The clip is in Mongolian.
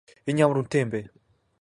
Энэ ямар үнэтэй юм бэ?